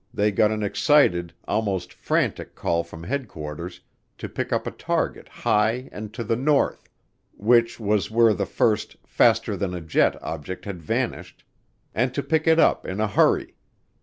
they got an excited, almost frantic call from headquarters to pick up a target high and to the north which was where the first "faster than a jet" object had vanished and to pick it up in a hurry.